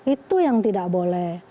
itu yang tidak boleh